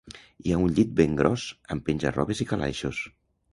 Hi ha un llit ben gros, amb penja-robes i calaixos.